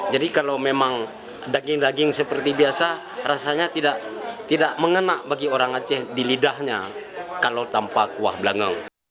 jadi kalau memang daging daging seperti biasa rasanya tidak mengenak bagi orang aceh di lidahnya kalau tanpa kuah belangong